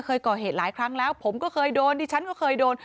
เคยก่อเหตุหลายครั้งแล้วผมก็เคยโดนดิฉันก็เคยโดน